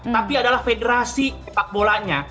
tapi adalah federasi sepak bolanya